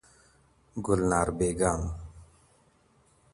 ګلنار بیګم